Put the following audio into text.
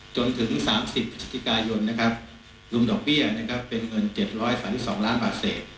จนถึง๓๐ประชาชนิกายนรุมดอกเบี้ยเป็นเงิน๗๓๒ล้านบาทเศษ